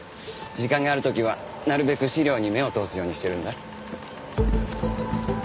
時間がある時はなるべく資料に目を通すようにしてるんだ。